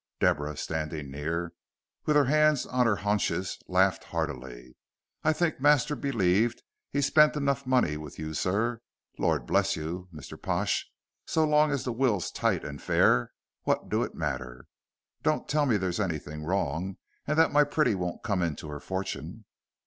Deborah, standing near, with her hands on her haunches, laughed heartily. "I think master believed he's spent enough money with you, sir. Lor' bless you, Mr. Pash, so long as the will's tight and fair what do it matter? Don't tell me as there's anything wrong and that my pretty won't come into her forting?"